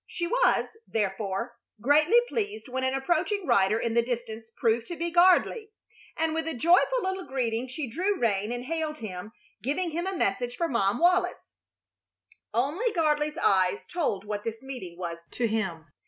She was, therefore, greatly pleased when an approaching rider in the distance proved to be Gardley, and with a joyful little greeting she drew rein and hailed him, giving him a message for Mom Wallis. Only Gardley's eyes told what this meeting was to him.